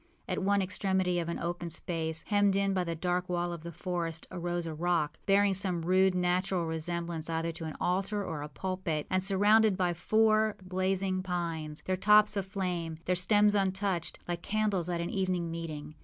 At one extremity of an open space, hemmed in by the dark wall of the forest, arose a rock, bearing some rude, natural resemblance either to an altar or a pulpit, and surrounded by four blazing pines, their tops aflame, their stems untouched, like candles at an evening meeting.